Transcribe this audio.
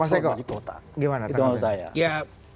polisi di kota